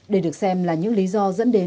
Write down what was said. để được xem là những lý do dẫn đến